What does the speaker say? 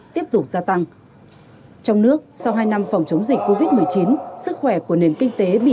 tiếp tục gia tăng trong nước sau hai năm phòng chống dịch covid một mươi chín sức khỏe của nền kinh tế bị